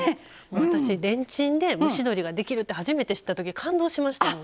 私レンチンで蒸し鶏ができるって初めて知ったとき感動しましたもん。